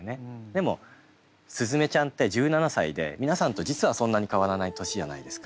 でも鈴芽ちゃんって１７歳で皆さんと実はそんなに変わらない年じゃないですか。